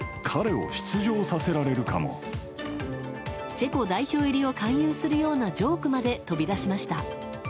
チェコ代表入りを勧誘するようなジョークまで飛び出しました。